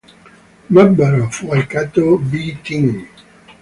Member of Waikato 'B' Team.